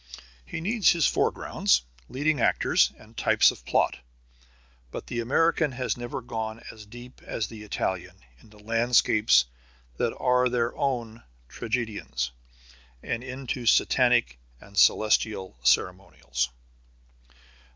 He needs his foregrounds, leading actors, and types of plot. But the American has never gone as deep as the Italian into landscapes that are their own tragedians, and into Satanic and celestial ceremonials.